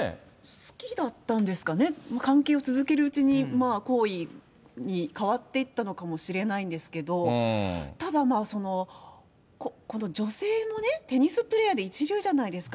好きだったんですかね、関係を続けるうちに、好意に変わっていったのかもしれないんですけれども、ただこの女性もね、テニスプレーヤーで一流じゃないですか。